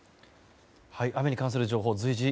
雨に関する情報、随時